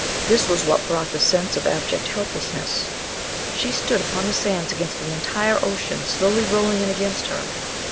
This was what brought the sense of abject helplessness. She stood upon the sands against an entire ocean slowly rolling in against her.